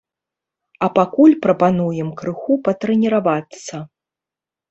А пакуль прапануем крыху патрэніравацца.